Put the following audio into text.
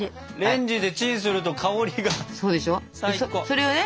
それをね